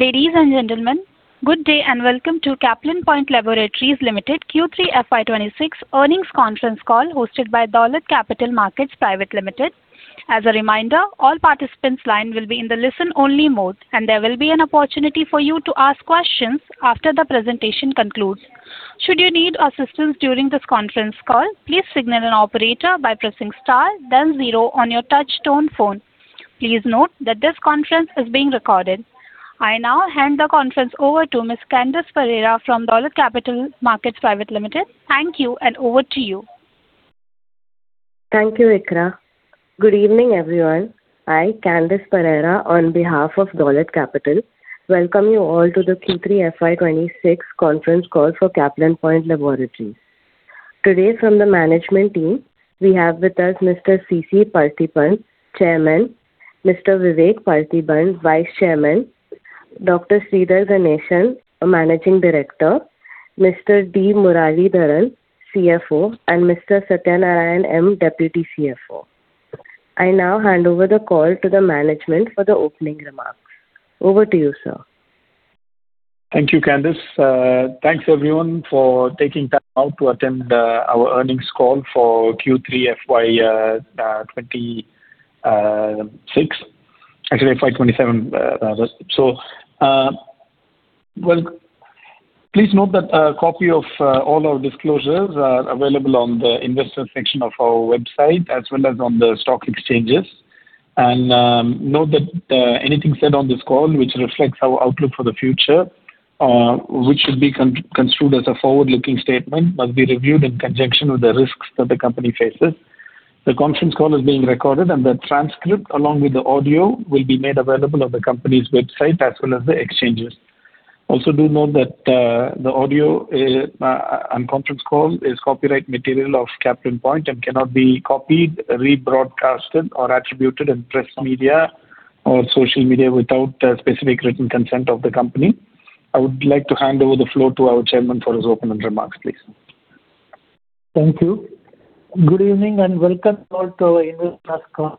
Ladies and gentlemen, good day and welcome to Caplin Point Laboratories Limited Q3 FY 2026 earnings conference call hosted by Dolat Capital Markets Private Limited. As a reminder, all participants' line will be in the listen-only mode, and there will be an opportunity for you to ask questions after the presentation concludes. Should you need assistance during this conference call, please signal an operator by pressing star, then zero on your touch-tone phone. Please note that this conference is being recorded. I now hand the conference over to Ms. Candice Ferreira from Dolat Capital Markets Private Limited. Thank you, and over to you. Thank you, Ikra. Good evening, everyone. I'm Candice Ferreira on behalf of Dolat Capital. Welcome you all to the Q3 FY 2026 conference call for Caplin Point Laboratories. Today from the management team, we have with us Mr. C.C. Paarthipan, Chairman; Mr. Vivek Partheeban, Vice Chairman; Dr. Sridhar Ganesan, Managing Director; Mr. D. Muralidharan, CFO; and Mr. Sathya Narayanan M., Deputy CFO. I now hand over the call to the management for the opening remarks. Over to you, sir. Thank you, Candice. Thanks, everyone, for taking time out to attend our earnings call for Q3 FY26 - actually, FY27, rather. Well, please note that a copy of all our disclosures is available on the investors' section of our website as well as on the stock exchanges. Note that anything said on this call, which reflects our outlook for the future, which should be construed as a forward-looking statement, must be reviewed in conjunction with the risks that the company faces. The conference call is being recorded, and the transcript along with the audio will be made available on the company's website as well as the exchanges. Also, do note that the audio on the conference call is copyright material of Caplin Point and cannot be copied, rebroadcast, or attributed in press media or social media without specific written consent of the company. I would like to hand over the floor to our Chairman for his opening remarks, please. Thank you. Good evening and welcome all to our investors' call.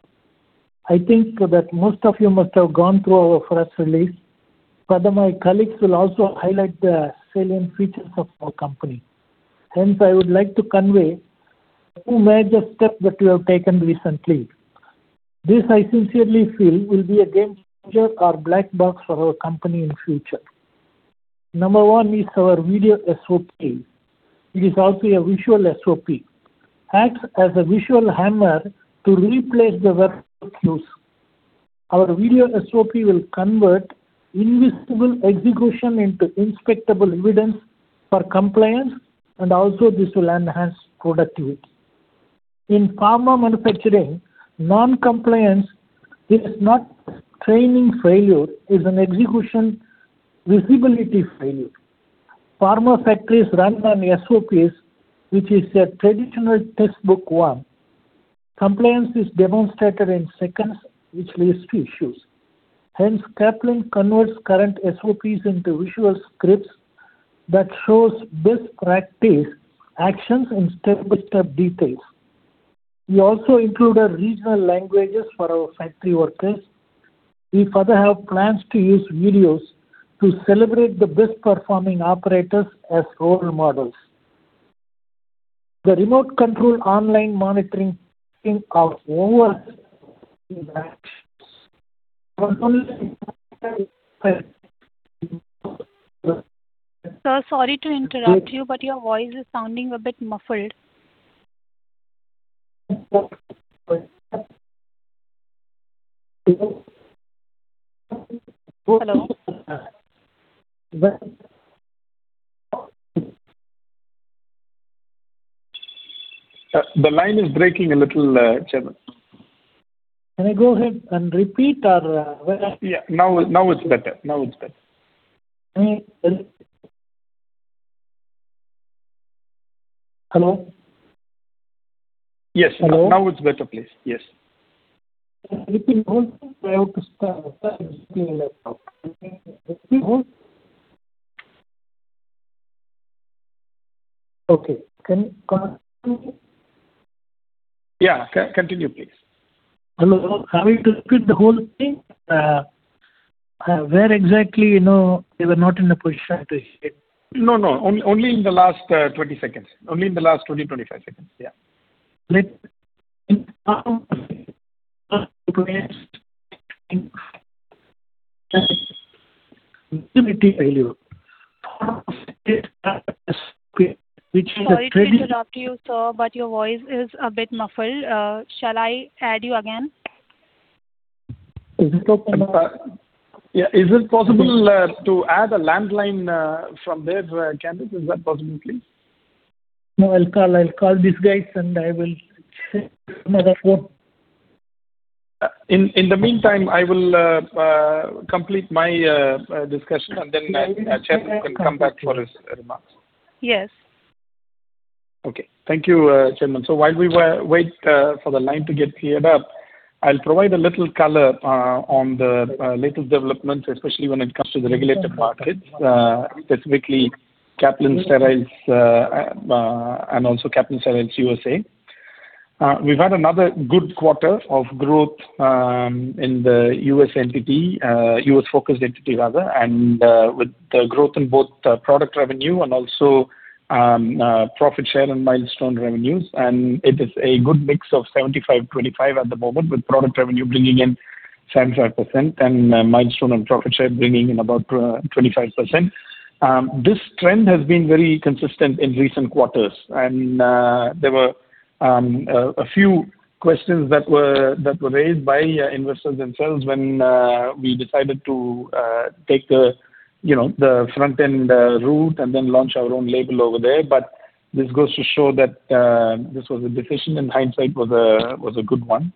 I think that most of you must have gone through our press release. Furthermore, my colleagues will also highlight the salient features of our company. Hence, I would like to convey two major steps that we have taken recently. This, I sincerely feel, will be a game-changer or blockbuster for our company in the future. Number one is our video SOP. It is also a visual SOP. It acts as a visual hammer to replace the verbal cues. Our video SOP will convert invisible execution into inspectable evidence for compliance, and also this will enhance productivity. In pharma manufacturing, non-compliance is not training failure. It is an execution visibility failure. Pharma factories run on SOPs, which is a traditional textbook one. Compliance is demonstrated in seconds, which leads to issues. Hence, Caplin converts current SOPs into visual scripts that show best practice actions in step-by-step details. We also include regional languages for our factory workers. We further have plans to use videos to celebrate the best-performing operators as role models. The remote control online monitoring of our actions. Sir, sorry to interrupt you, but your voice is sounding a bit muffled. Hello? The line is breaking a little, Chairman. Can I go ahead and repeat our? Yeah, now it's better. Now it's better. Hello? Yes, now it's better, please. Yes. Okay. Can you repeat the whole thing? I want to start exactly where you left off. Can you repeat the whole thing? Okay. Can you continue? Yeah, continue, please. Hello. I want to repeat the whole thing. Where exactly you were not in a position to hear? No, no. Only in the last 20 seconds. Only in the last 20, 25 seconds. Yeah. Let me repeat the whole thing. Which is a. Sorry to interrupt you, sir, but your voice is a bit muffled. Shall I add you again? Is it possible to add a landline from there, Candice? Is that possible, please? No, I'll call. I'll call these guys, and I will check another phone. In the meantime, I will complete my discussion, and then Chairman can come back for his remarks. Yes. Okay. Thank you, Chairman. So while we wait for the line to get cleared up, I'll provide a little color on the latest developments, especially when it comes to the regulatory markets, specifically Caplin Steriles and also Caplin Steriles USA. We've had another good quarter of growth in the US entity, US-focused entity, rather, and with the growth in both product revenue and also profit share and milestone revenues. And it is a good mix of 75/25 at the moment, with product revenue bringing in 75% and milestone and profit share bringing in about 25%. This trend has been very consistent in recent quarters. And there were a few questions that were raised by investors themselves when we decided to take the front-end route and then launch our own label over there. But this goes to show that this was a decision, and hindsight was a good one.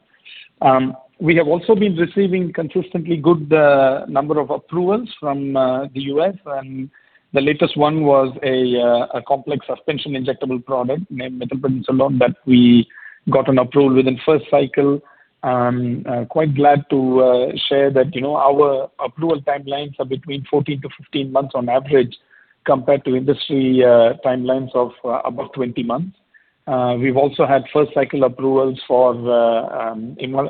We have also been receiving consistently good number of approvals from the US. The latest one was a complex suspension injectable product named methylprednisolone that we got an approval within the first cycle. I'm quite glad to share that our approval timelines are between 14-15 months on average compared to industry timelines of above 20 months. We've also had first-cycle approvals for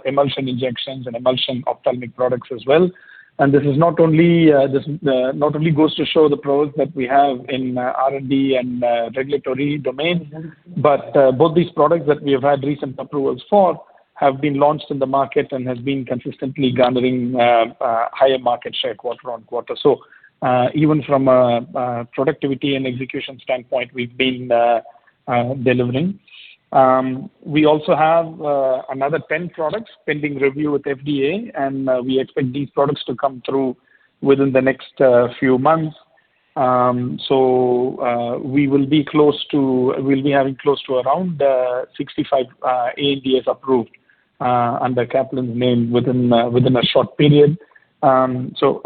emulsion injections and emulsion ophthalmic products as well. This not only goes to show the products that we have in R&D and regulatory domains, but both these products that we have had recent approvals for have been launched in the market and have been consistently garnering higher market share quarter on quarter. Even from a productivity and execution standpoint, we've been delivering. We also have another 10 products pending review with FDA, and we expect these products to come through within the next few months. So we will be close to—we'll be having close to around 65 ANDAs approved under Caplin's name within a short period. So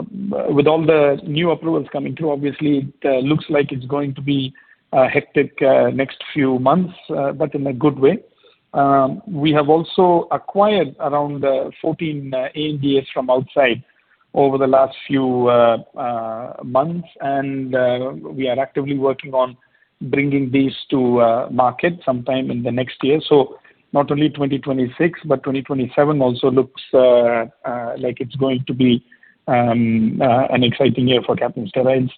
with all the new approvals coming through, obviously, it looks like it's going to be hectic next few months, but in a good way. We have also acquired around 14 ANDAs from outside over the last few months, and we are actively working on bringing these to market sometime in the next year. So not only 2026, but 2027 also looks like it's going to be an exciting year for Caplin Steriles.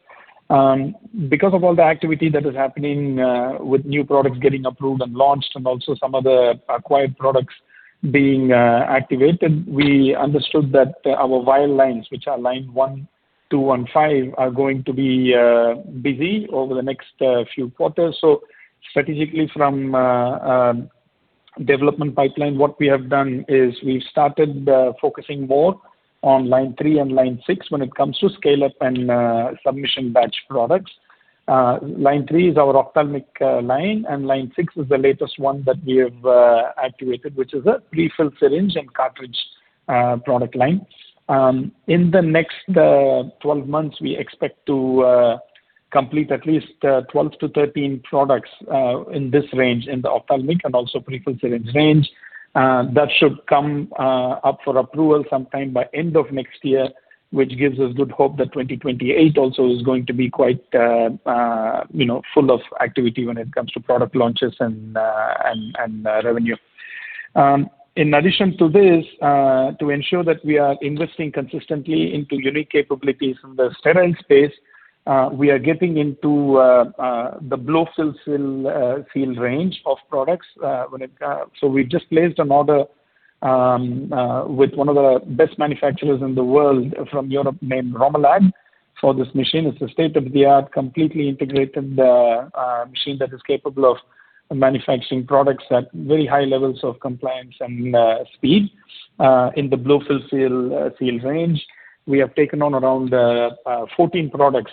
Because of all the activity that is happening with new products getting approved and launched and also some other acquired products being activated, we understood that our vial lines, which are line 1, 2, and 5, are going to be busy over the next few quarters. So strategically, from development pipeline, what we have done is we've started focusing more on line 3 and line 6 when it comes to scale-up and submission batch products. Line 3 is our ophthalmic line, and line 6 is the latest one that we have activated, which is a prefill syringe and cartridge product line. In the next 12 months, we expect to complete at least 12-13 products in this range, in the ophthalmic and also prefill syringe range. That should come up for approval sometime by the end of next year, which gives us good hope that 2028 also is going to be quite full of activity when it comes to product launches and revenue. In addition to this, to ensure that we are investing consistently into unique capabilities in the sterile space, we are getting into the Blow-Fill-Seal range of products. So we've just placed an order with one of the best manufacturers in the world from Europe named Romelag for this machine. It's a state-of-the-art, completely integrated machine that is capable of manufacturing products at very high levels of compliance and speed in the Blow-Fill-Seal range. We have taken on around 14 products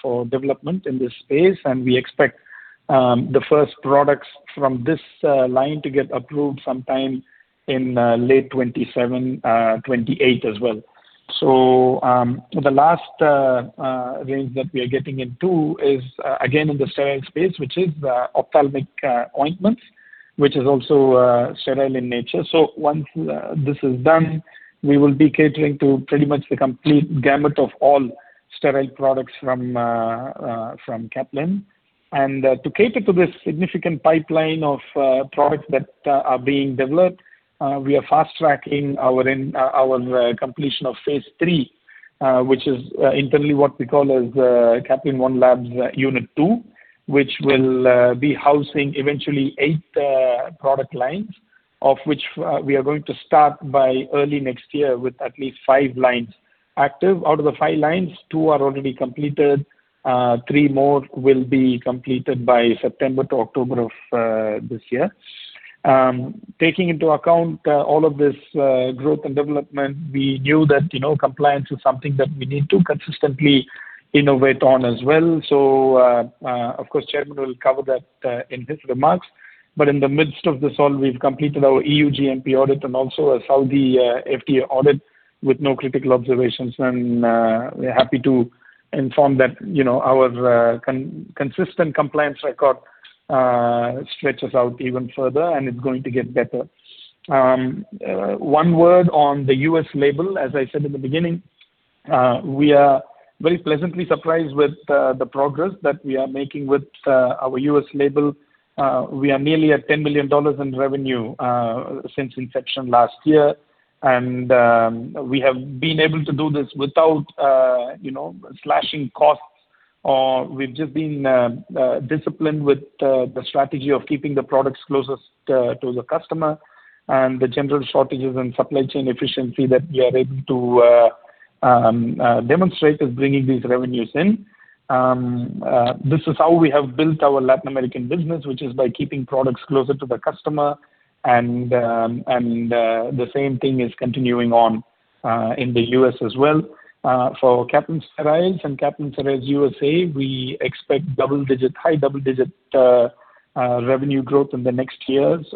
for development in this space, and we expect the first products from this line to get approved sometime in late 2027, 2028 as well. So the last range that we are getting into is, again, in the sterile space, which is ophthalmic ointments, which is also sterile in nature. So once this is done, we will be catering to pretty much the complete gamut of all sterile products from Caplin. And to cater to this significant pipeline of products that are being developed, we are fast-tracking our completion of phase 3, which is internally what we call Caplin One Labs unit 2, which will be housing eventually eight product lines, of which we are going to start by early next year with at least five lines active. Out of the five lines, two are already completed. Three more will be completed by September to October of this year. Taking into account all of this growth and development, we knew that compliance is something that we need to consistently innovate on as well. Of course, Chairman will cover that in his remarks. In the midst of this all, we've completed our EU GMP audit and also a Saudi FDA audit with no critical observations. We're happy to inform that our consistent compliance record stretches out even further, and it's going to get better. One word on the US label. As I said in the beginning, we are very pleasantly surprised with the progress that we are making with our U.S. label. We are nearly at $10 million in revenue since inception last year, and we have been able to do this without slashing costs. We've just been disciplined with the strategy of keeping the products closest to the customer. The general shortages and supply chain efficiency that we are able to demonstrate is bringing these revenues in. This is how we have built our Latin American business, which is by keeping products closer to the customer. The same thing is continuing on in the U.S. as well. For Caplin Steriles and Caplin Steriles USA, we expect high double-digit revenue growth in the next years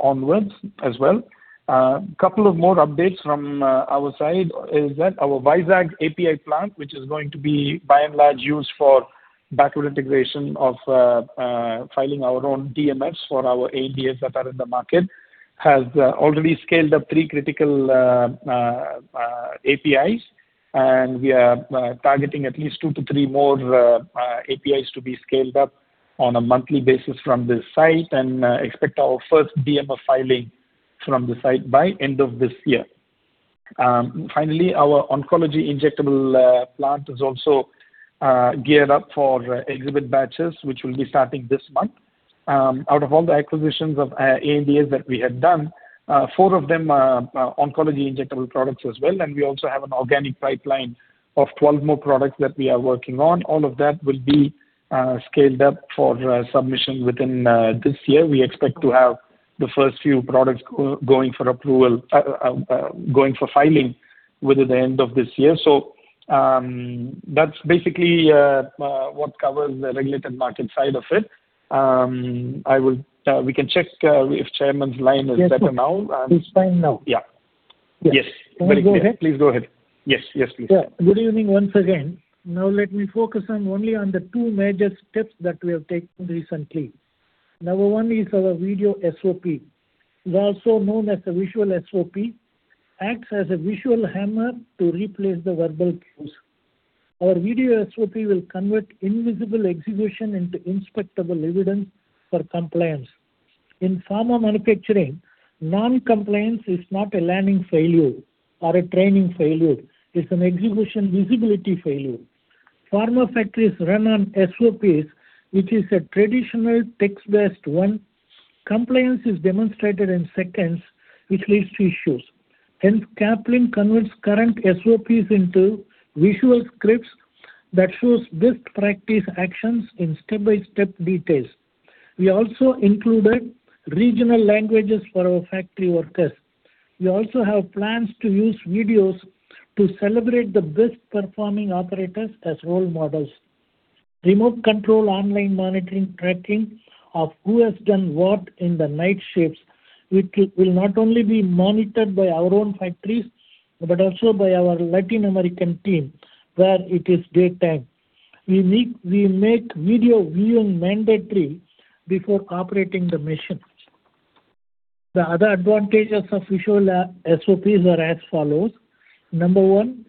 onwards as well. A couple of more updates from our side is that our Vizag API plant, which is going to be by and large used for backward integration of filing our own DMF for our ANDAs that are in the market, has already scaled up 3 critical APIs. And we are targeting at least two to three more APIs to be scaled up on a monthly basis from this site and expect our first DMF filing from the site by the end of this year. Finally, our oncology injectable plant is also geared up for exhibit batches, which will be starting this month. Out of all the acquisitions of ANDAs that we had done, four of them are oncology injectable products as well. And we also have an organic pipeline of 12 more products that we are working on. All of that will be scaled up for submission within this year. We expect to have the first few products going for approval going for filing within the end of this year. So that's basically what covers the regulated market side of it. We can check if Chairman's line is better now. Yes, it's fine now. Yeah. Yes. Please go ahead. Yes, very clear. Please go ahead. Yes, yes, please. Yeah. Good evening once again. Now, let me focus only on the two major steps that we have taken recently. Number one is our video SOP. It's also known as a visual SOP. It acts as a visual hammer to replace the verbal cues. Our video SOP will convert invisible execution into inspectable evidence for compliance. In pharma manufacturing, non-compliance is not a learning failure or a training failure. It's an execution visibility failure. Pharma factories run on SOPs, which is a traditional text-based one. Compliance is demonstrated in seconds, which leads to issues. Hence, Caplin converts current SOPs into visual scripts that show best practice actions in step-by-step details. We also included regional languages for our factory workers. We also have plans to use videos to celebrate the best-performing operators as role models. Remote control online monitoring tracking of who has done what in the night shifts, which will not only be monitored by our own factories but also by our Latin American team where it is daytime. We make video viewing mandatory before operating the machine. The other advantages of visual SOPs are as follows. Number one,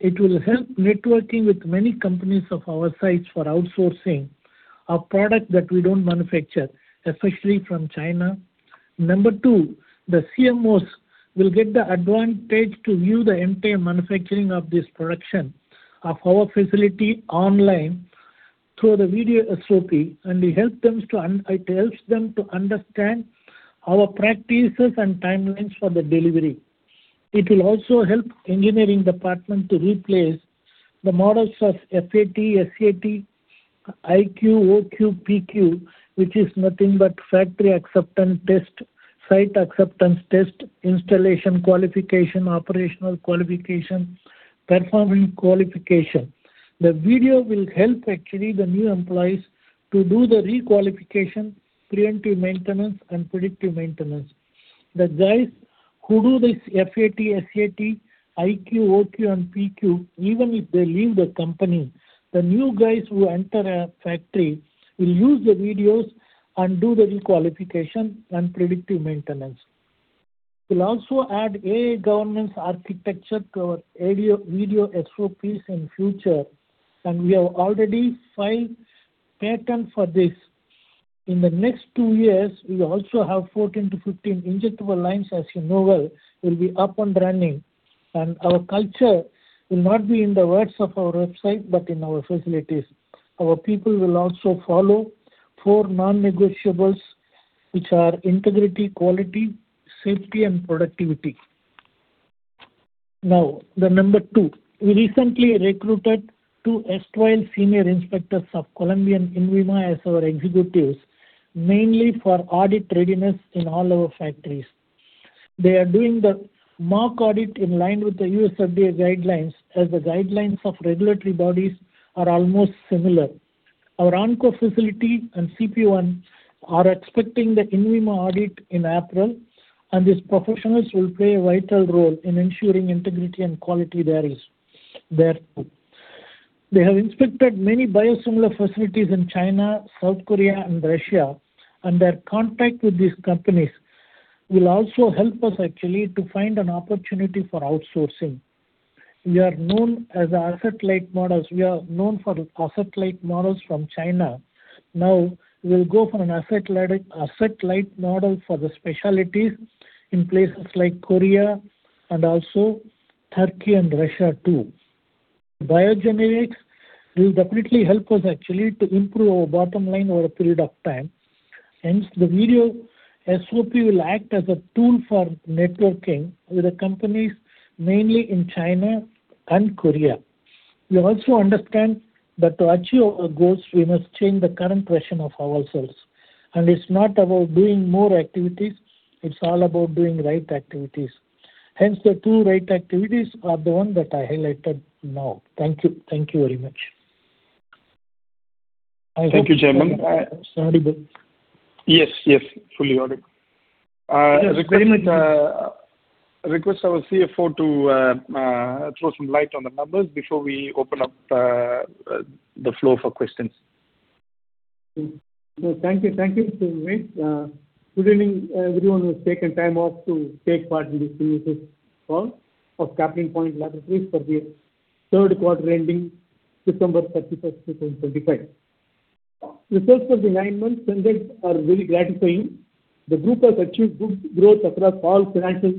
it will help networking with many companies of our size for outsourcing a product that we don't manufacture, especially from China. Number two, the CMOs will get the advantage to view the entire manufacturing of this production of our facility online through the video SOP, and it helps them to understand our practices and timelines for the delivery. It will also help the engineering department to replace the models of FAT, SAT, IQ, OQ, PQ, which is nothing but factory acceptance test, site acceptance test, installation qualification, operational qualification, performance qualification. The video will help, actually, the new employees to do the requalification, preventive maintenance, and predictive maintenance. The guys who do this FAT, SAT, IQ, OQ, and PQ, even if they leave the company, the new guys who enter a factory will use the videos and do the requalification and predictive maintenance. We'll also add AI governance architecture to our video SOPs in the future, and we have already filed a patent for this. In the next two years, we also have 14-15 injectable lines, as you know well, that will be up and running. Our culture will not be in the words of our website but in our facilities. Our people will also follow four non-negotiables, which are integrity, quality, safety, and productivity. Now, the number two. We recently recruited 2 erstwhile senior inspectors of Colombian INVIMA as our executives, mainly for audit readiness in all our factories. They are doing the mock audit in line with the US FDA guidelines as the guidelines of regulatory bodies are almost similar. Our onco facility and CP1 are expecting the INVIMA audit in April, and these professionals will play a vital role in ensuring integrity and quality there too. They have inspected many biosimilar facilities in China, South Korea, and Russia, and their contact with these companies will also help us, actually, to find an opportunity for outsourcing. We are known for asset-light models from China. Now, we'll go for an asset-light model for the specialties in places like Korea and also Turkey and Russia too. Biosimilars will definitely help us, actually, to improve our bottom line over a period of time. Hence, the Video SOP will act as a tool for networking with the companies, mainly in China and Korea. We also understand that to achieve our goals, we must change the current version of ourselves. It's not about doing more activities. It's all about doing the right activities. Hence, the two right activities are the ones that I highlighted now. Thank you. Thank you very much. I hope. Thank you, Chairman. Sorry, but. Yes, yes. Full audit. Yes, very much. Request our CFO to throw some light on the numbers before we open up the flow for questions. Thank you. Thank you, Vivek. Good evening, everyone who has taken time off to take part in this call. Of Caplin Point Laboratories for the third quarter ending December 31st, 2025. Results for the nine months are very gratifying. The group has achieved good growth across all financial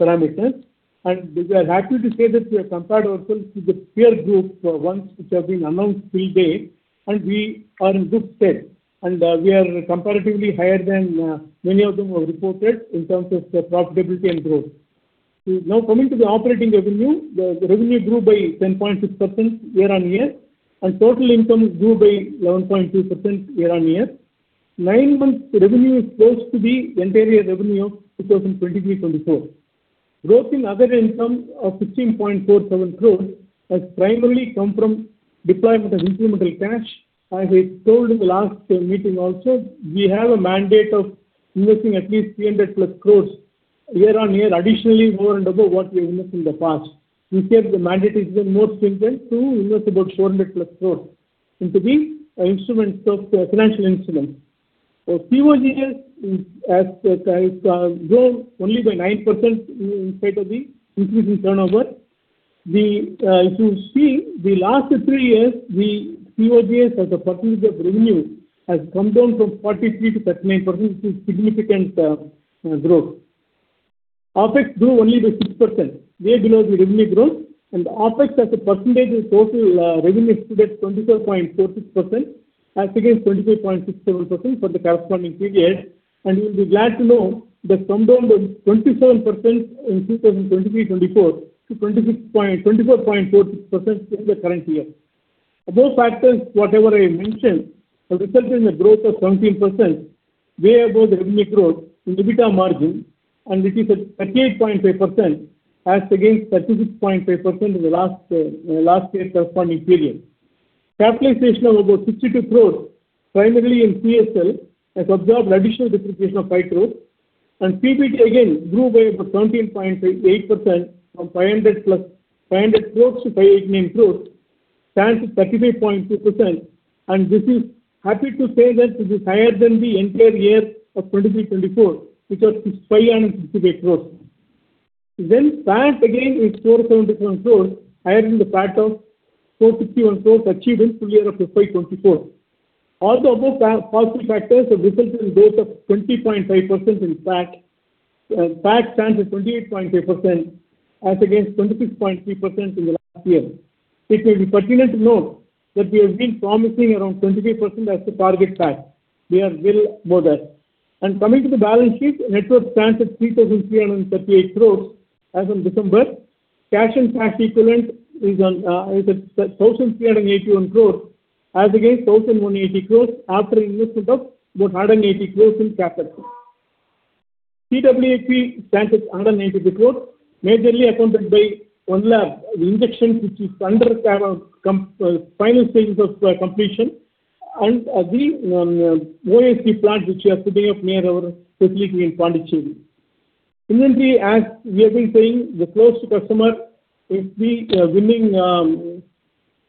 parameters. We are happy to say that we have compared ourselves to the peer group ones which have been announced till date, and we are in good step. We are comparatively higher than many of them have reported in terms of profitability and growth. Now, coming to the operating revenue, the revenue grew by 10.6% year-on-year, and total income grew by 11.2% year-on-year. Nine months revenue is close to the entire revenue of 2023-2024. Growth in other income of 15.47 crores has primarily come from deployment of incremental cash. I have told in the last meeting also, we have a mandate of investing at least 300+ crores year-on-year, additionally more and above what we have invested in the past. This year, the mandate is even more strengthened to invest about 400+ crores into these financial instruments. COGS has grown only by 9% in spite of the increasing turnover. If you see, the last three years, the COGS as a percentage of revenue has come down from 43%-39%. This is significant growth. OpEx grew only by 6%. Way below the revenue growth. And OpEx as a percentage of total revenue is today at 24.46%, as against 25.67% for the corresponding period. And you will be glad to know that it's come down from 27% in 2023-24 to 24.46% in the current year. Those factors, whatever I mentioned, have resulted in a growth of 17%, way above the revenue growth in EBITDA margin, and it is at 38.5% as against 36.5% in the last year's corresponding period. Capitalization of about 62 crore, primarily in CSL, has absorbed additional depreciation of 5 crore. PBT, again, grew by about 17.8% from 500 crore to 589 crore, stands at 35.2%. And this is happy to say that it is higher than the entire year of 2024, which was 568 crore. Then PAT, again, is 477 crore, higher than the PAT of 461 crore achieved in the full year of FY 2024. All the above positive factors have resulted in growth of 20.5% in PAT. PAT stands at 28.5% as against 26.3% in the last year. It may be pertinent to note that we have been promising around 25% as the target PAT. We are well above that. Coming to the balance sheet, net worth stands at 3,338 crores as of December. Cash and cash equivalent is at 1,381 crores, as against 1,180 crores after investment of about 180 crores in CapEx. CWIP stands at 183 crores, majorly accounted by One Labs, the injection, which is under final stages of completion, and the OAC plant, which we are putting up near our facility in Pondicherry. Inventory, as we have been saying, is close to customer with the winning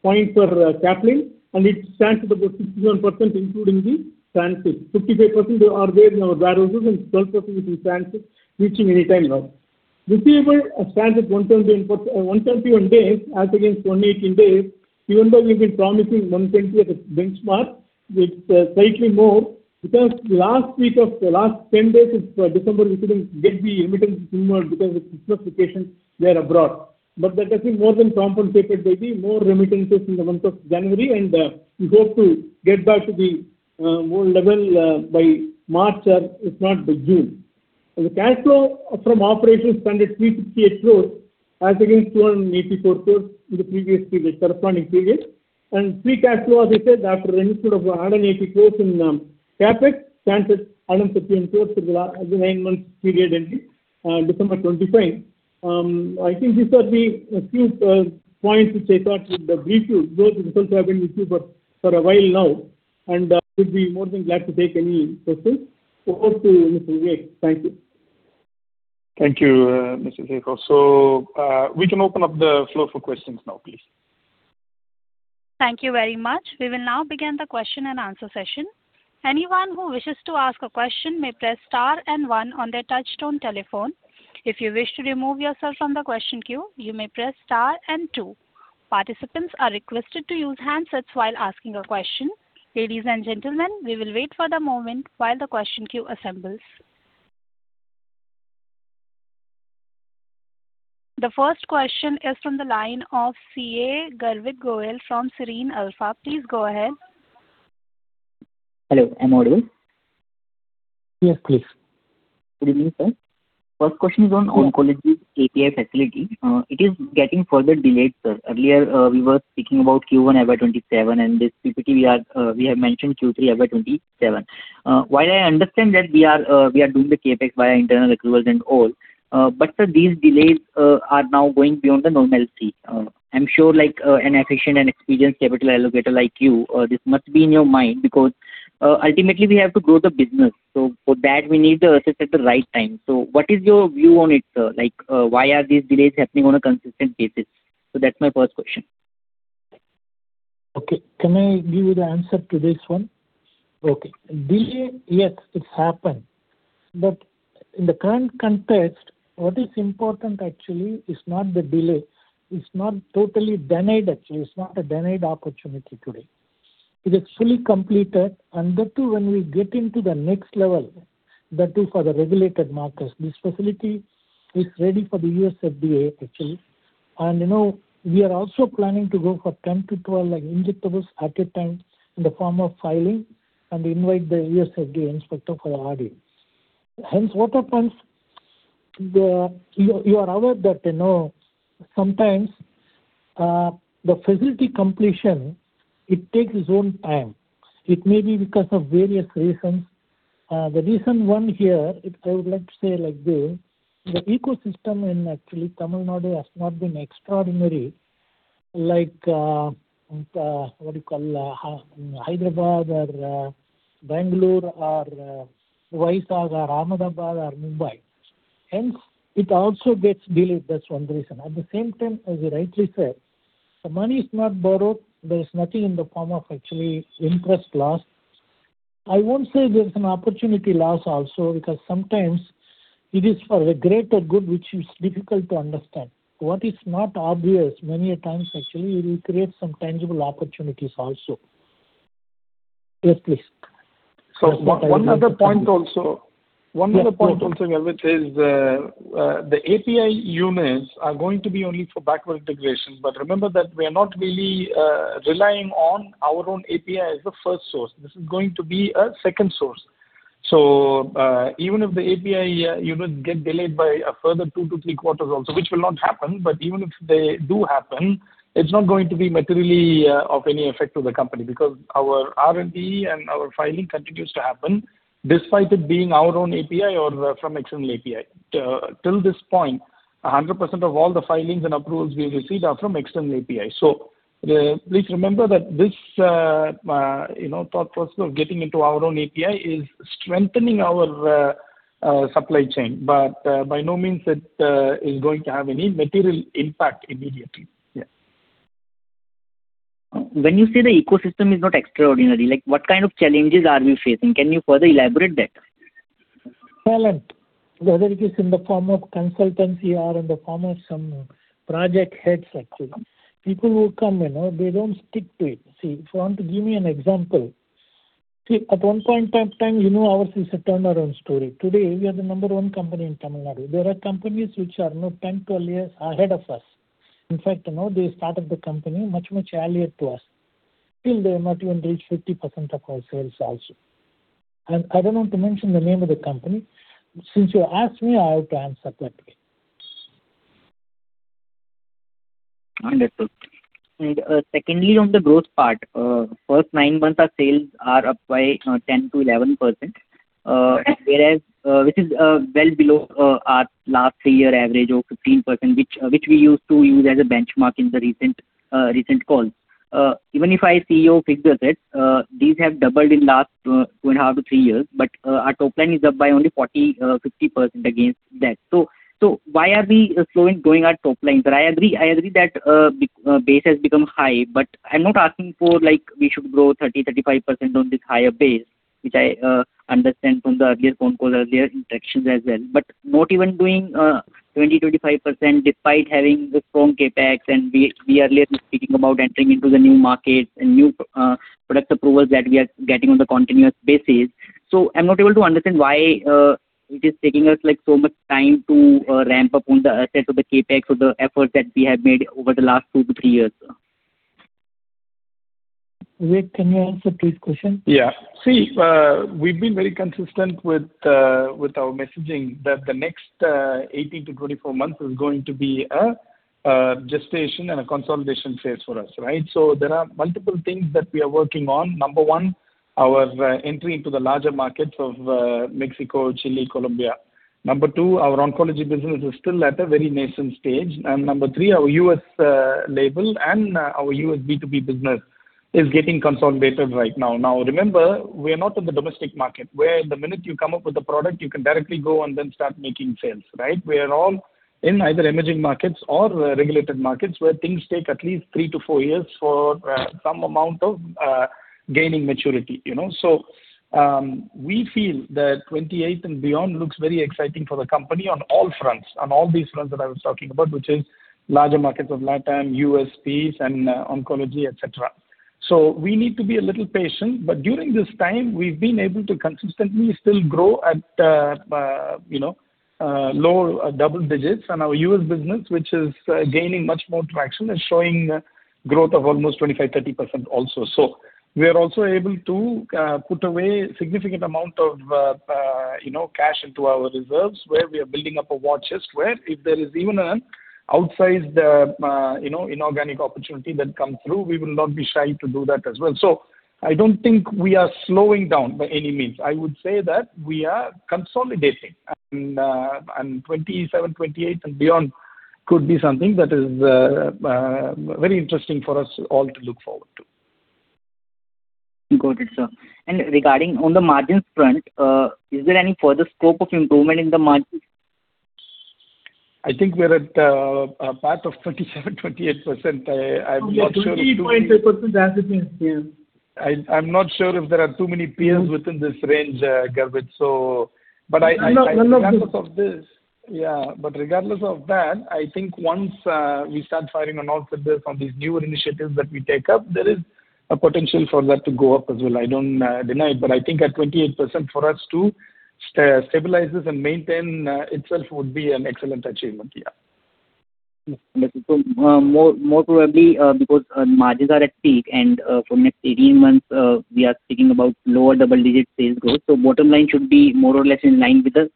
point for Caplin, and it stands at about 61%, including the transit. 55% are there in our warehouses and 12% is in transit, reaching anytime now. Receivable stands at 121 days as against 118 days. Even though we've been promising 120 as a benchmark, it's slightly more because last week of the last 10 days of December, we couldn't get the remittances in because of Christmas vacation there abroad. But that has been more than compensated by the more remittances in the month of January, and we hope to get back to the more level by March, if not by June. The cash flow from operations stands at 358 crores, as against 284 crores in the previous corresponding period. And free cash flow, as I said, after an increase of 180 crores in CapEx, stands at 131 crores for the nine months period ending December 25. I think these are the few points which I thought would brief you. Those results have been with you for a while now, and we'd be more than glad to take any questions. Over to Mr. Vivek. Thank you. Thank you, Mr. CFO. We can open up the floor for questions now, please. Thank you very much. We will now begin the question-and-answer session. Anyone who wishes to ask a question may press star and one on their touch-tone telephone. If you wish to remove yourself from the question queue, you may press star and two. Participants are requested to use handsets while asking a question. Ladies and gentlemen, we will wait for the moment while the question queue assembles. The first question is from the line of CA Garvit Goyal from Sareen Alpha. Please go ahead. Hello. Am I audible? Yes, please. Good evening, sir. First question is on oncology's API facility. It is getting further delayed, sir. Earlier, we were speaking about Q1 FY 2027, and this PPT, we have mentioned Q3 FY 2027. While I understand that we are doing the CapEx via internal approvals and all, but, sir, these delays are now going beyond the normalcy. I'm sure an efficient and experienced capital allocator like you, this must be in your mind because ultimately, we have to grow the business. So for that, we need the assets at the right time. So what is your view on it, sir? Why are these delays happening on a consistent basis? So that's my first question. Okay. Can I give you the answer to this one? Okay. Yes, it's happened. But in the current context, what is important, actually, is not the delay. It's not totally denied, actually. It's not a denied opportunity today. It is fully completed. And that too, when we get into the next level, that too, for the regulated markets, this facility is ready for the U.S. FDA, actually. And we are also planning to go for 10-12 injectables at a time in the form of filing and invite the U.S. FDA inspector for the audit. Hence, what happens, you are aware that sometimes the facility completion, it takes its own time. It may be because of various reasons. The reason one here, I would like to say like this, the ecosystem in, actually, Tamil Nadu has not been extraordinary, like what do you call, Hyderabad or Bangalore or Vizag or Ahmedabad or Mumbai. Hence, it also gets delayed. That's one reason. At the same time, as you rightly said, the money is not borrowed. There is nothing in the form of, actually, interest loss. I won't say there's an opportunity loss also because sometimes it is for the greater good, which is difficult to understand. What is not obvious many a times, actually, it will create some tangible opportunities also. Yes, please. So one other point also. One other point also, Garvit l, is the API units are going to be only for backward integration, but remember that we are not really relying on our own API as the first source. This is going to be a second source. So even if the API units get delayed by a further 2-3 quarters also, which will not happen, but even if they do happen, it's not going to be materially of any effect to the company because our R&D and our filing continues to happen despite it being our own API or from external API. Till this point, 100% of all the filings and approvals we receive are from external API. So please remember that this thought process of getting into our own API is strengthening our supply chain, but by no means it is going to have any material impact immediately. Yeah. When you say the ecosystem is not extraordinary, what kind of challenges are you facing? Can you further elaborate that? Talent, whether it is in the form of consultancy or in the form of some project heads, actually, people will come. They don't stick to it. See, if you want to give me an example, at one point in time, ours is a turnaround story. Today, we are the number one company in Tamil Nadu. There are companies which are 10, 12 years ahead of us. In fact, they started the company much, much earlier to us. Still, they have not even reached 50% of our sales also. And I don't want to mention the name of the company. Since you asked me, I have to answer that way. Understood. Secondly, on the growth part, first 9 months of sales are up by 10%-11%, which is well below our last 3-year average of 15%, which we used to use as a benchmark in the recent calls. Even if CapEx fixed assets, these have doubled in the last 2.5-3 years, but our top line is up by only 40%-50% against that. So why are we slow in growing our top lines? I agree that base has become high, but I'm not asking for we should grow 30%-35% on this higher base, which I understand from the earlier phone calls, earlier interactions as well, but not even doing 20%-25% despite having the strong CapEx. We earlier were speaking about entering into the new markets and new product approvals that we are getting on a continuous basis. I'm not able to understand why it is taking us so much time to ramp up on the assets or the CapEx or the efforts that we have made over the last 2-3 years. Vivek, can you answer, please? Question? Yeah. See, we've been very consistent with our messaging that the next 18-24 months is going to be a gestation and a consolidation phase for us, right? So there are multiple things that we are working on. Number one, our entry into the larger markets of Mexico, Chile, Colombia. Number two, our oncology business is still at a very nascent stage. And number three, our US label and our US B2B business is getting consolidated right now. Now, remember, we are not in the domestic market where the minute you come up with a product, you can directly go and then start making sales, right? We are all in either emerging markets or regulated markets where things take at least 3-4 years for some amount of gaining maturity. So we feel that 28 and beyond looks very exciting for the company on all fronts, on all these fronts that I was talking about, which is larger markets of LATAM, U.S., and oncology, etc. So we need to be a little patient. But during this time, we've been able to consistently still grow at low double digits. And our US business, which is gaining much more traction, is showing growth of almost 25%-30% also. So we are also able to put away a significant amount of cash into our reserves where we are building up a watchlist where, if there is even an outsized inorganic opportunity that comes through, we will not be shy to do that as well. So I don't think we are slowing down by any means. I would say that we are consolidating. 27, 28, and beyond could be something that is very interesting for us all to look forward to. Got it, sir. Regarding on the margins front, is there any further scope of improvement in the margins? I think we're at a part of 27%-28%. I'm not sure if. 28.5%, as it is. Yeah. I'm not sure if there are too many peers within this range, Garvit, so. But regardless of this, yeah. But regardless of that, I think once we start firing on all set base, on these newer initiatives that we take up, there is a potential for that to go up as well. I don't deny. But I think at 28% for us to stabilize this and maintain itself would be an excellent achievement. Yeah. More probably because margins are at peak, and for the next 18 months, we are speaking about lower double-digit sales growth. Bottom line should be more or less in line with the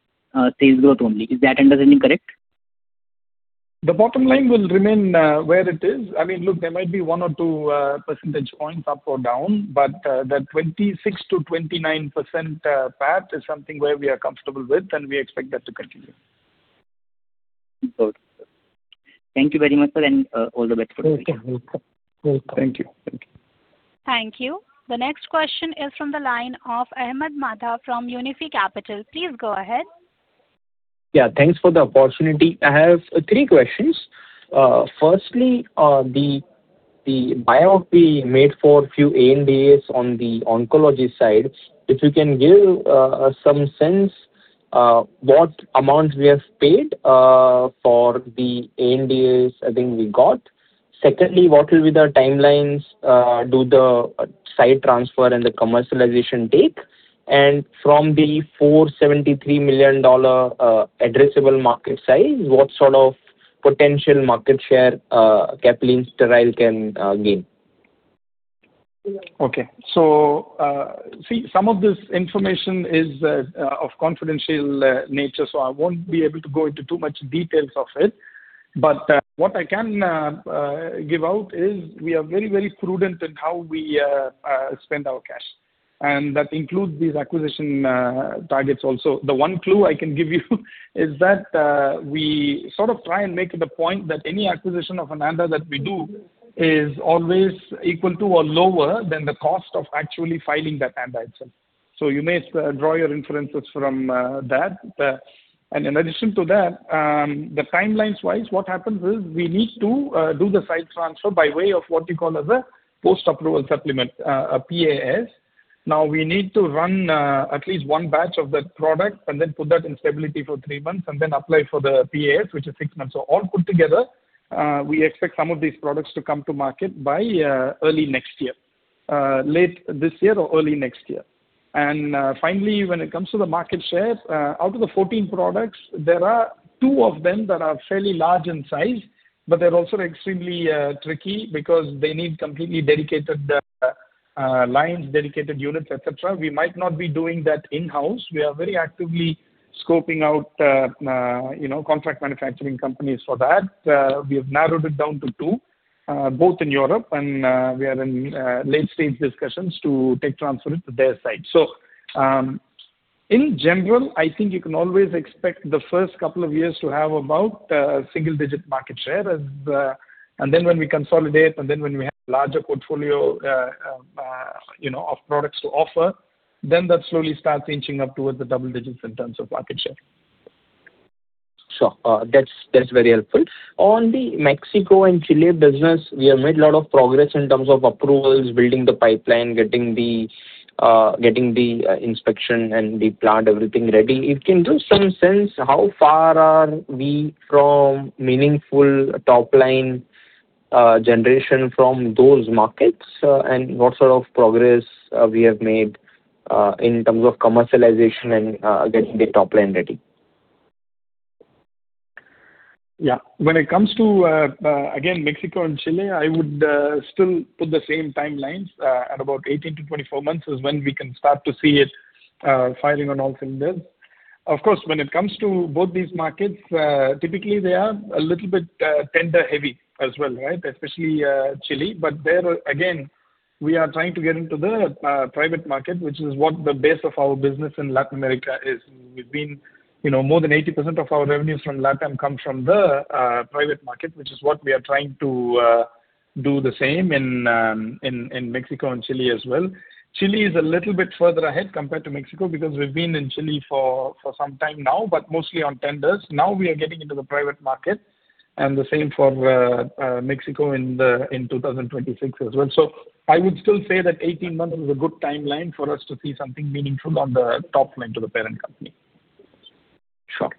sales growth only. Is that understanding correct? The bottom line will remain where it is. I mean, look, there might be 1 or 2 percentage points up or down, but that 26%-29% part is something where we are comfortable with, and we expect that to continue. Got it, sir. Thank you very much, sir, and all the best for the future. Okay. Welcome. Welcome. Thank you. Thank you. Thank you. The next question is from the line of Ahmed Madha from Unifi Capital. Please go ahead. Yeah. Thanks for the opportunity. I have three questions. Firstly, the buyout we made for a few ANDAs on the oncology side, if you can give some sense what amount we have paid for the ANDAs, I think, we got. Secondly, what will be the timelines do the site transfer and the commercialization take? And from the $473 million addressable market size, what sort of potential market share Caplin Steriles can gain? Okay. So see, some of this information is of confidential nature, so I won't be able to go into too much details of it. But what I can give out is we are very, very prudent in how we spend our cash. And that includes these acquisition targets also. The one clue I can give you is that we sort of try and make it a point that any acquisition of an ANDA that we do is always equal to or lower than the cost of actually filing that ANDA itself. So you may draw your inferences from that. And in addition to that, timelines-wise, what happens is we need to do the site transfer by way of what you call as a post-approval supplement, a PAS. Now, we need to run at least one batch of that product and then put that in stability for three months and then apply for the PAS, which is six months. So all put together, we expect some of these products to come to market by early next year, late this year or early next year. Finally, when it comes to the market share, out of the 14 products, there are two of them that are fairly large in size, but they're also extremely tricky because they need completely dedicated lines, dedicated units, etc. We might not be doing that in-house. We are very actively scoping out contract manufacturing companies for that. We have narrowed it down to two, both in Europe, and we are in late-stage discussions to take transfer it to their side. In general, I think you can always expect the first couple of years to have about a single-digit market share. Then when we consolidate, and then when we have a larger portfolio of products to offer, then that slowly starts inching up towards the double digits in terms of market share. Sure. That's very helpful. On the Mexico and Chile business, we have made a lot of progress in terms of approvals, building the pipeline, getting the inspection, and the plant, everything ready. It can give some sense how far are we from meaningful top line generation from those markets and what sort of progress we have made in terms of commercialization and getting the top line ready? Yeah. When it comes to, again, Mexico and Chile, I would still put the same timelines at about 18-24 months is when we can start to see it firing on all cylinders. Of course, when it comes to both these markets, typically, they are a little bit tender-heavy as well, right, especially Chile. But again, we are trying to get into the private market, which is what the base of our business in Latin America is. More than 80% of our revenues from LATAM come from the private market, which is what we are trying to do the same in Mexico and Chile as well. Chile is a little bit further ahead compared to Mexico because we've been in Chile for some time now, but mostly on tenders. Now, we are getting into the private market, and the same for Mexico in 2026 as well. I would still say that 18 months is a good timeline for us to see something meaningful on the top line to the parent company. Sure.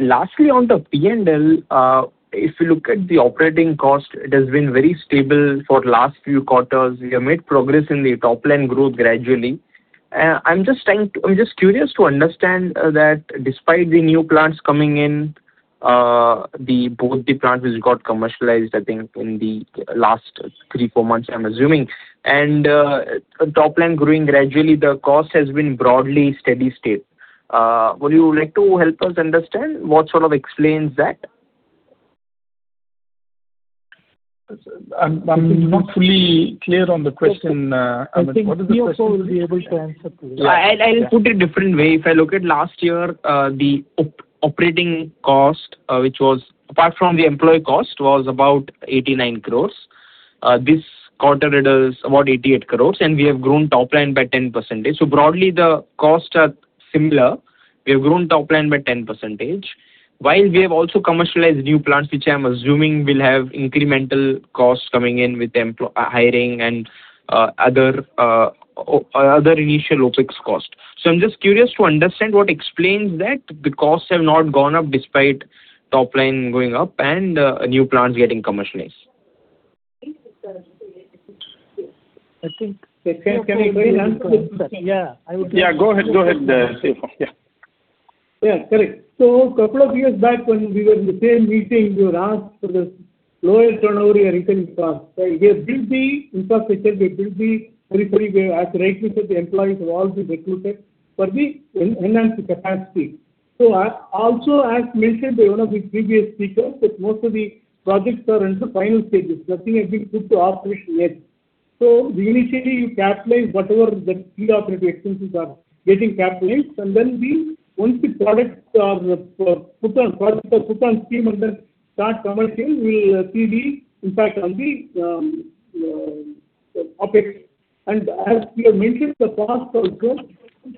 Lastly, on the P&L, if you look at the operating cost, it has been very stable for the last few quarters. You have made progress in the top line growth gradually. I'm just curious to understand that despite the new plants coming in, both the plants which got commercialized, I think, in the last 3, 4 months, I'm assuming, and top line growing gradually, the cost has been broadly steady state. Would you like to help us understand what sort of explains that? I'm not fully clear on the question. What is the question? I think you'll probably be able to answer to that. Yeah. I'll put it a different way. If I look at last year, the operating cost, which was apart from the employee cost, was about 89 crore. This quarter, it is about 88 crore, and we have grown top line by 10%. So broadly, the costs are similar. We have grown top line by 10%. While we have also commercialized new plants, which I'm assuming will have incremental costs coming in with hiring and other initial OPEX costs. So I'm just curious to understand what explains that the costs have not gone up despite top line going up and new plants getting commercialized. I think. Can I quickly answer? Yes, sir. Yeah. I would like to. Yeah. Go ahead. Go ahead, CFO. Yeah. Yeah. Correct. So a couple of years back, when we were in the same meeting, you were asked for this lower turnover and recurring cost. We have built the infrastructure. We have built the facility fully, as rightly said, the employees have all been recruited for the enhanced capacity. So also, as mentioned by one of the previous speakers, that most of the projects have entered final stages. Nothing has been put into operation yet. So initially, you capitalize whatever the pre-operative expenses are getting capitalized. And then once the products are put on stream and then start commercial, we'll see the impact on the OpEx. And as you have mentioned, the cost also,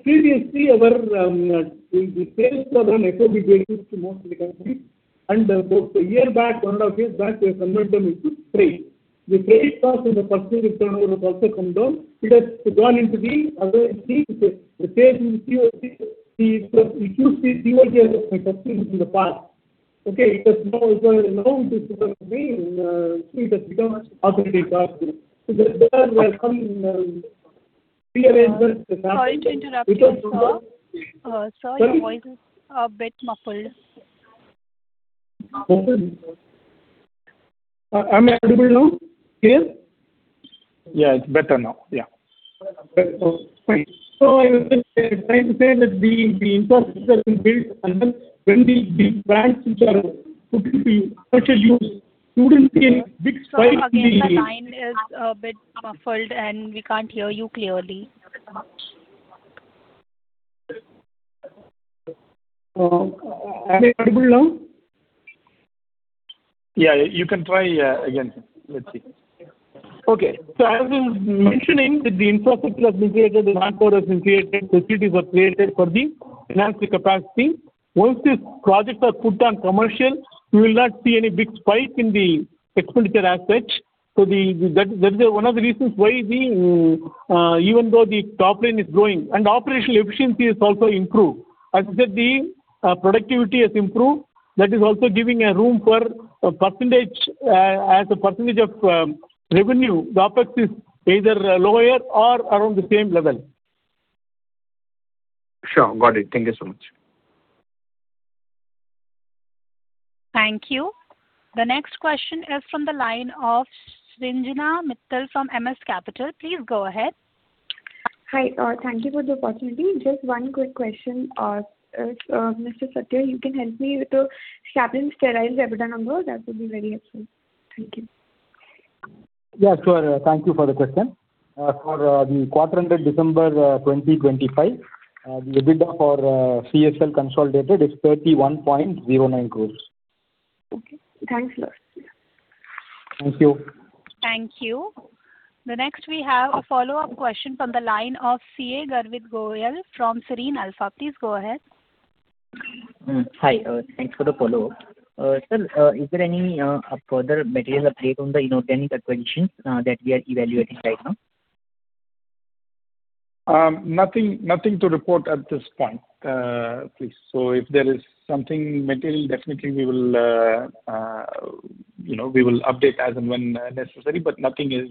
previously, the sales were on FOB basis to most of the companies. About 1 year back, 1.5 years back, we have converted them into freight. The freight cost and the purchase turnover has also come down. It has gone into the other thing, which is the sales in the COGS. You used to see COGS as a subsidy in the past. Okay? It has now become a main C, it has become an operating cost. So there are some rearrangements that happened. Sorry to interrupt, sir. Sorry, your voice is a bit muffled. I'm audible now? Clear? Yeah. It's better now. Yeah. Okay. So I was trying to say that the infrastructure has been built, and then when the plants which are put into commercial use shouldn't be in a big spike. Your line is a bit muffled, and we can't hear you clearly. Am I audible now? Yeah. You can try again, sir. Let's see. Okay. So as I was mentioning, the infrastructure has been created. The landfill has been created. Facilities were created for the enhanced capacity. Once these projects are put on commercial, you will not see any big spike in the expenditure as such. So that is one of the reasons why, even though the top line is growing and operational efficiency has also improved, as I said, the productivity has improved. That is also giving a room for percentage as a percentage of revenue. The OpEx is either lower or around the same level. Sure. Got it. Thank you so much. Thank you. The next question is from the line of Shrinjana Mittal from MS Capital. Please go ahead. Hi. Thank you for the opportunity. Just one quick question. Mr. Sathya, you can help me with the Caplin Sterile webinar number? That would be very helpful. Thank you. Yes, sir. Thank you for the question. For the quarter ended December 2025, the EBITDA for CSL consolidated is 31.09 crores. Okay. Thanks, sir. Thank you. Thank you. The next, we have a follow-up question from the line of CA Garvit Goyal from Sareen Alpha. Please go ahead. Hi. Thanks for the follow-up. Sir, is there any further materials update on the inorganic acquisitions that we are evaluating right now? Nothing to report at this point, please. So if there is something material, definitely, we will update as and when necessary, but nothing is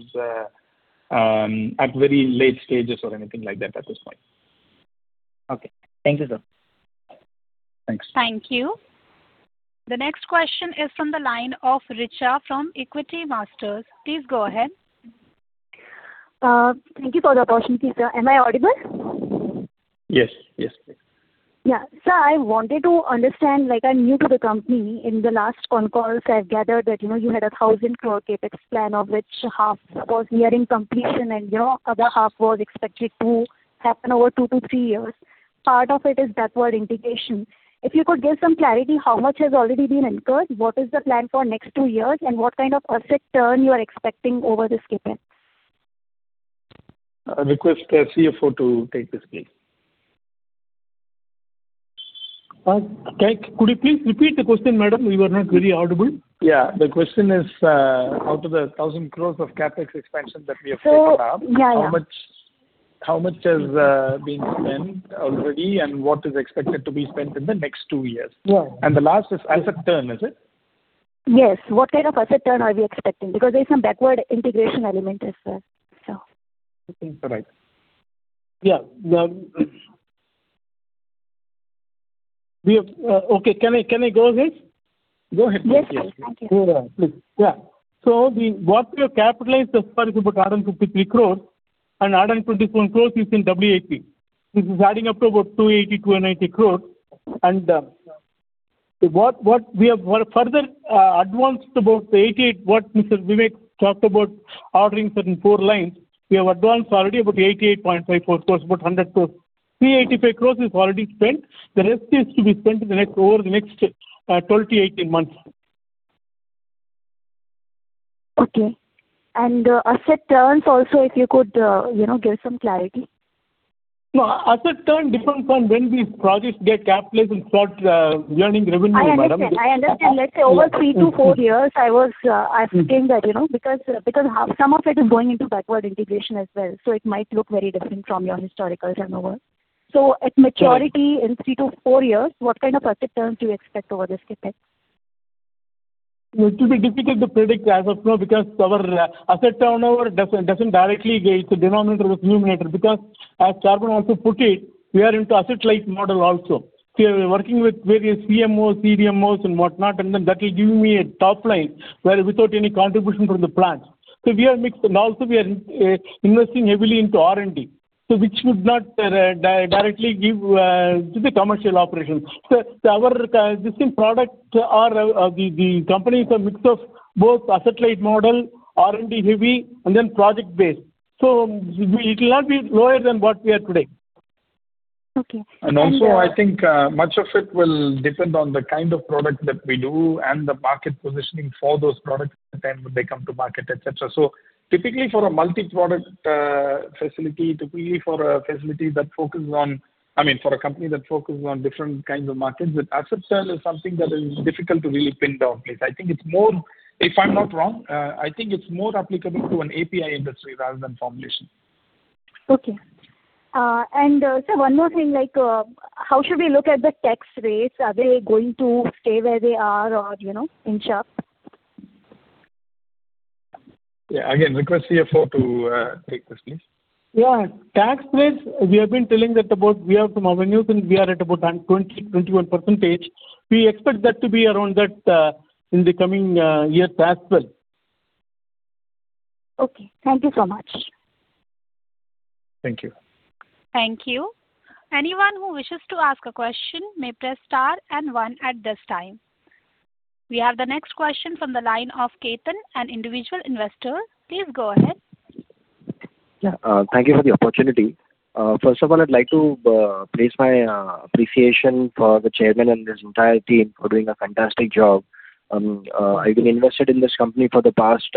at very late stages or anything like that at this point. Okay. Thank you, sir. Thanks. Thank you. The next question is from the line of Richa from Equitymaster. Please go ahead. Thank you for the opportunity, sir. Am I audible? Yes. Yes. Yeah. Sir, I wanted to understand. I'm new to the company. In the last on-calls, I've gathered that you had a 1,000 crore CapEx plan, of which half was nearing completion and the other half was expected to happen over 2-3 years. Part of it is backward integration. If you could give some clarity, how much has already been incurred? What is the plan for next 2 years, and what kind of asset turn you are expecting over this CapEx? I request the CFO to take this, please. Could you please repeat the question, madam? We were not very audible. Yeah. The question is, out of the 1,000 crore of CapEx expansion that we have taken up, how much has been spent already, and what is expected to be spent in the next two years? The last is asset turn, is it? Yes. What kind of asset turn are we expecting? Because there is some backward integration element as well, so. I think you're right. Yeah. Okay. Can I go ahead? Go ahead. Yes, sir. Thank you. Please. Yeah. So what we have capitalized thus far is about 153 crores, and 124 crores is in CWIP. This is adding up to about 280-290 crores. And what we have further advanced about the 88, what Mr. Vivek talked about ordering certain four lines, we have advanced already about 88.54 crores, about 100 crores. 385 crores is already spent. The rest is to be spent over the next 12 to 18 months. Okay. Asset turns also, if you could give some clarity? No. Asset turn differs from when these projects get capitalized and start earning revenue, madam. I understand. I understand. Let's say over 3-4 years, I was asking that because some of it is going into backward integration as well, so it might look very different from your historical turnover. So at maturity in 3-4 years, what kind of asset turn do you expect over this CapEx? It will be difficult to predict as of now because our asset turnover doesn't directly, it's a denominator, not a numerator. Because as C.C. also put it, we are into asset-light model also. So we are working with various CMOs, CDMOs, and whatnot, and then that will give me a top line without any contribution from the plants. So we are mixed, and also, we are investing heavily into R&D, which would not directly give to the commercial operations. So the same product or the companies are a mix of both asset-light model, R&D-heavy, and then project-based. So it will not be lower than what we are today. Okay. Also, I think much of it will depend on the kind of product that we do and the market positioning for those products at the time when they come to market, etc. So typically, for a multi-product facility, typically for a facility that focuses on—I mean, for a company that focuses on different kinds of markets—asset turn is something that is difficult to really pin down, please. I think it's more—if I'm not wrong—I think it's more applicable to an API industry rather than formulation. Okay. Sir, one more thing. How should we look at the tax rates? Are they going to stay where they are or increase? Yeah. Again, request CFO to take this, please. Yeah. Tax rates, we have been telling that we have some revenues, and we are at about 20%-21%. We expect that to be around that in the coming years as well. Okay. Thank you so much. Thank you. Thank you. Anyone who wishes to ask a question may press star and one at this time. We have the next question from the line of Ketan, an individual investor. Please go ahead. Yeah. Thank you for the opportunity. First of all, I'd like to place my appreciation for the chairman and his entire team for doing a fantastic job. I've been invested in this company for the past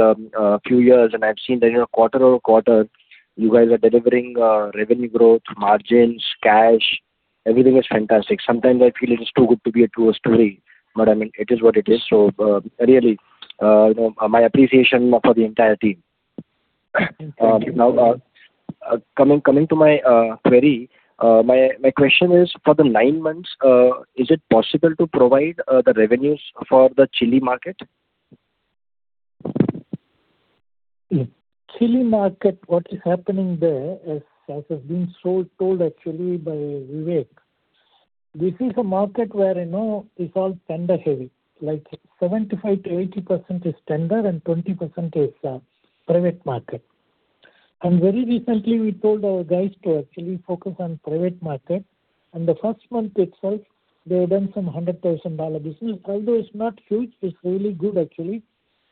few years, and I've seen that quarter-over-quarter, you guys are delivering revenue growth, margins, cash. Everything is fantastic. Sometimes, I feel it is too good to be a true story, but I mean, it is what it is. So really, my appreciation for the entire team. Now, coming to my query, my question is, for the nine months, is it possible to provide the revenues for the Chile market? The Chile market, what is happening there is, as has been told actually by Vivek, this is a market where it's all tender-heavy. 75%-80% is tender, and 20% is private market. Very recently, we told our guys to actually focus on private market. And the first month itself, they had done some $100,000 business. Although it's not huge, it's really good actually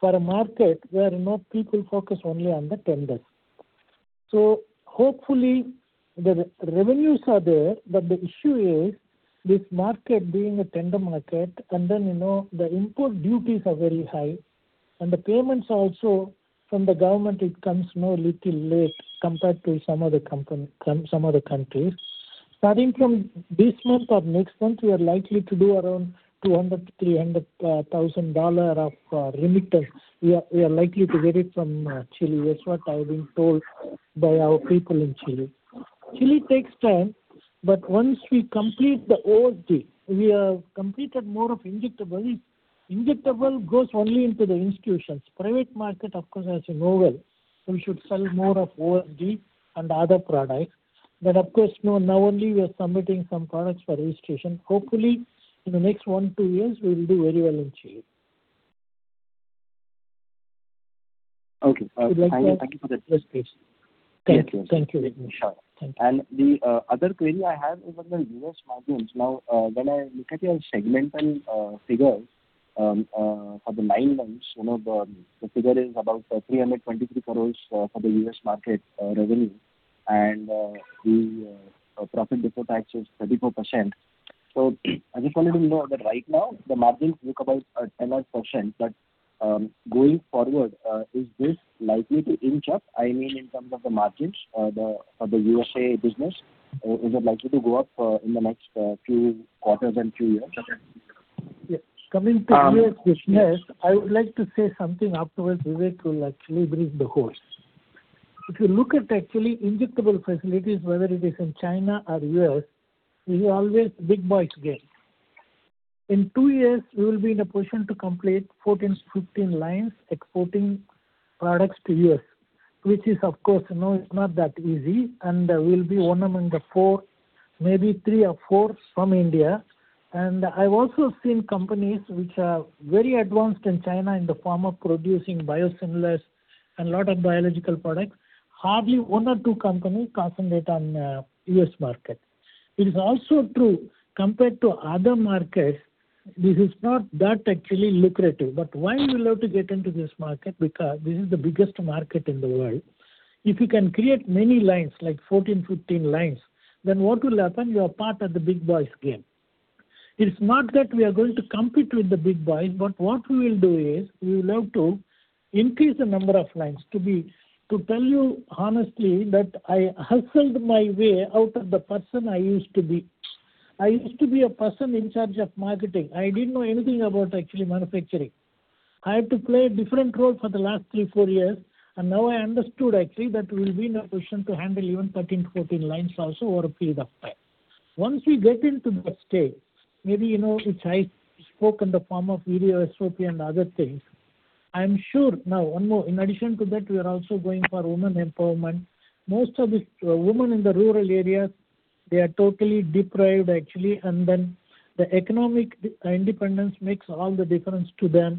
for a market where people focus only on the tenders. So hopefully, the revenues are there, but the issue is this market being a tender market, and then the import duties are very high. And the payments also from the government, it comes a little late compared to some other countries. Starting from this month or next month, we are likely to do around $200,000-$300,000 of remittances. We are likely to get it from Chile. That's what I've been told by our people in Chile. Chile takes time, but once we complete the OSD, we have completed more of injectable. Injectable goes only into the institutions. Private market, of course, has no well. We should sell more of OSD and other products. But of course, now only we are submitting some products for registration. Hopefully, in the next 1-2 years, we will do very well in Chile. Okay. Thank you for the explanation. Thank you. Thank you. Sure. Thank you. The other query I have is on the U.S. margins. Now, when I look at your segmental figures for the nine months, the figure is about 323 crore for the US market revenue, and the profit before tax is 34%. So I just wanted to know that right now, the margins look about 10-odd%, but going forward, is this likely to inch up? I mean, in terms of the margins for the USA business, is it likely to go up in the next few quarters and few years? Yeah. Coming to your question ask, I would like to say something afterwards. Vivek will actually bring the horse. If you look at actually injectable facilities, whether it is in China or U.S., we are always big boys again. In two years, we will be in a position to complete 14-15 lines exporting products to U.S., which is, of course, no, it's not that easy. And we will be one among the four, maybe three or four from India. And I've also seen companies which are very advanced in China in the form of producing biosimilars and a lot of biological products, hardly one or two companies concentrate on the U.S. market. It is also true, compared to other markets, this is not that actually lucrative. But why you will have to get into this market? Because this is the biggest market in the world. If you can create many lines, like 14, 15 lines, then what will happen? You are part of the big boys' game. It's not that we are going to compete with the big boys, but what we will do is we will have to increase the number of lines to tell you honestly that I hustled my way out of the person I used to be. I used to be a person in charge of marketing. I didn't know anything about actually manufacturing. I had to play a different role for the last 3, 4 years. Now I understood actually that we will be in a position to handle even 13, 14 lines also over a period of time. Once we get into that stage, maybe which I spoke in the form of video SOP and other things, I am sure now, one more, in addition to that, we are also going for women empowerment. Most of these women in the rural areas, they are totally deprived actually, and then the economic independence makes all the difference to them.